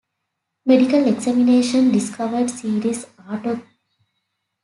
Medical examinations discovered serious aortic calcification and some coronary artery disease.